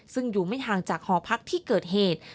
ซึ่งอยู่ไม่ห่างจากหอพักที่เกิดเหตุ